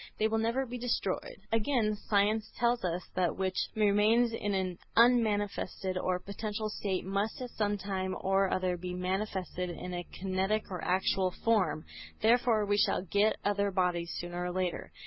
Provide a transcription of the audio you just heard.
They will never be destroyed. Again science tells us that that which remains in an unmanifested or potential state must at some time or other be manifested in a kinetic or actual form. Therefore we shall get other bodies, sooner or later.